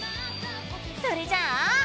それじゃあ！